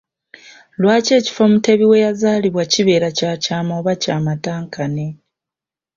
Lwaki ekifo Mutebi weyazaalibwa kibeera kya kyama oba kya matankane?